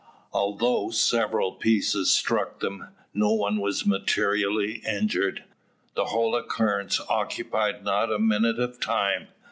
Although several pieces struck them, no one was materially injured. The whole occurrence occupied not a minute of time.